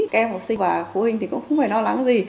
các em học sinh và phụ huynh thì cũng không phải lo lắng gì